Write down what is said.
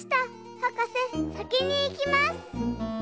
はかせさきにいきます。